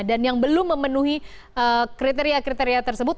dan yang belum memenuhi kriteria kriteria tersebut